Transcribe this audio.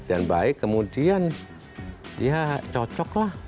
dan baik kemudian ya cocok lah